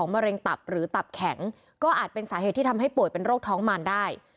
มะเร็งตับหรือตับแข็งก็อาจเป็นสาเหตุที่ทำให้ป่วยเป็นโรคท้องมารได้